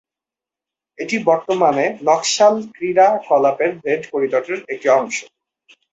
এটি বর্তমানে নকশাল ক্রিয়াকলাপের রেড করিডোরের একটি অংশ।